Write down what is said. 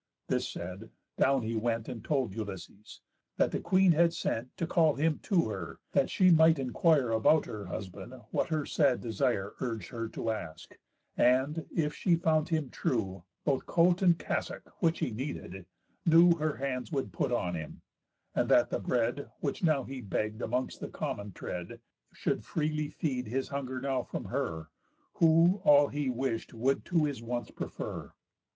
This said, down he went, And told Ulysses, "that the Queen had sent To call him to her, that she might enquire About her husband what her sad desire Urg'd her to ask; and, if she found him true, Both coat, and cassock (which he needed) new Her hands would put on him; and that the bread, Which now he begg'd amongst the common tread, Should freely feed his hunger now from her, Who all he wish'd would to his wants prefer."